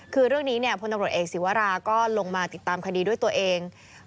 คือเรื่องนี้พลตำรวจเอกศิวราก็ลงมาติดตามคดีด้วยตัวเอง